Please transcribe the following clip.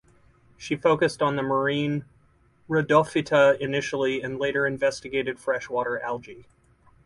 She focused on the marine Rhodophyta initially and later investigated freshwater algae.